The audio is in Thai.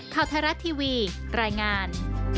ข่าวไทยรัฐทีวีรายงาน